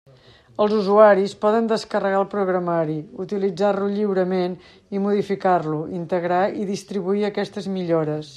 Els usuaris poden descarregar el programari, utilitzar-lo lliurement i modificar-lo, integrar i distribuir aquestes millores.